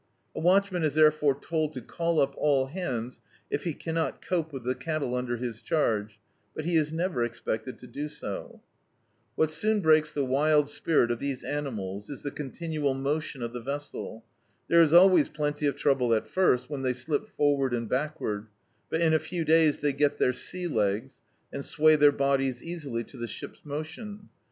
A watchman is therefore told to call up all hands, if he cannot cope with the cattle under his charge, but he is never expected to do so. What soon breaks the spirit of these wild animals D,i.,.db, Google The Autobiography of a Super Tramp is the oMitinual motion of the vessel. There is always plenty of trouble at first, when they slip for ward and backward, but in a few days they get their sea Ie^ and sway their bodies easily to the ship's motion.